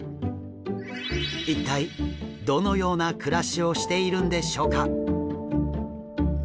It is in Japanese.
一体どのような暮らしをしているんでしょうか？